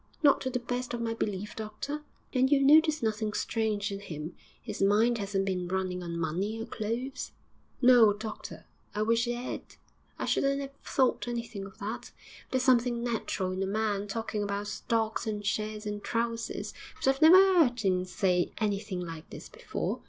'Not to the best of my belief, doctor.' 'And you've noticed nothing strange in him? His mind hasn't been running on money or clothes?' 'No, doctor; I wish it 'ad. I shouldn't 'ave thought anything of that; there's something natural in a man talking about stocks and shares and trousers, but I've never 'eard 'im say anything like this before.